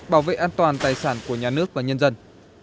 bảo vệ an toàn tài sản của nhà nước và nhân dân